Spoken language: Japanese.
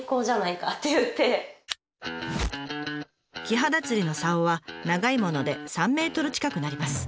キハダ釣りのさおは長いもので３ｍ近くなります。